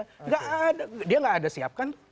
tidak ada dia nggak ada siapkan